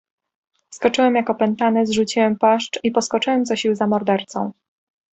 "Skoczyłem, jak opętany, zrzuciłem płaszcz i poskoczyłem co sił za mordercą."